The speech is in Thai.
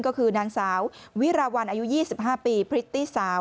ก็คือนางสาววิราวรรณอายุ๒๕ปีพฤติสาว